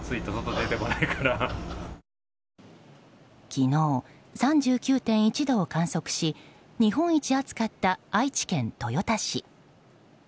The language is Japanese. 昨日、３９．１度を観測し日本一暑かった愛知県豊田市。